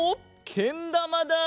けんだまだ！